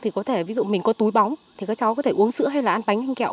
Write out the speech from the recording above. thì có thể ví dụ mình có túi bóng thì các cháu có thể uống sữa hay là ăn bánh hình kẹo